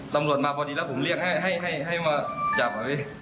ตำรวจมาพอดีแล้วผมเรียกให้มาจับไว้